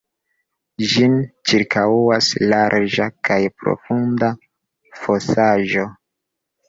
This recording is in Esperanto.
Ĝin ĉirkaŭas larĝa kaj profunda fosaĵo.